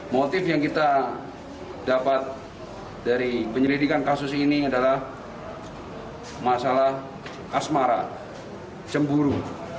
motif yang kita dapat dari penyelidikan kasus ini adalah masalah asmara cemburu